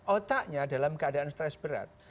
otaknya dalam keadaan stres berat